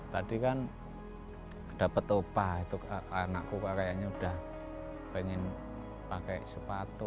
tadi kan dapat upah itu anakku kayaknya udah pengen pakai sepatu